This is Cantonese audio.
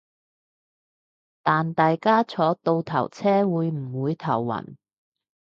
但大家坐倒頭車會唔會頭暈